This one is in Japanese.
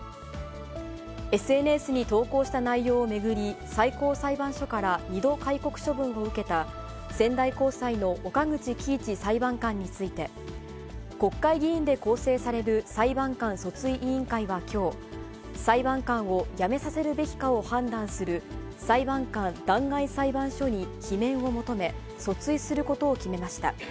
ＳＮＳに投稿した内容を巡り、最高裁判所から２度戒告処分を受けた、仙台高裁の岡口基一裁判官について、国会議員で構成される裁判官訴追委員会はきょう、裁判官を辞めさせるべきかを判断する裁判官弾劾裁判所に罷免を求め、訴追することを決めました。